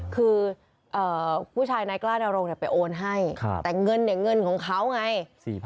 คือผู้ชายนายกล้านรงไปโอนให้แต่เงินเนี่ยเงินของเขาไง